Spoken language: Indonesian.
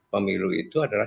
pemilu itu adalah